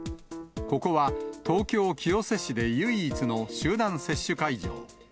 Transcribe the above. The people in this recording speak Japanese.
ここは東京・清瀬市で唯一の集団接種会場。